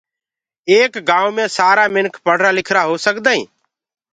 ايڪ گآئونٚ مي سآرآ منک پڙهرآ لکِرآ هو سگدآئينٚ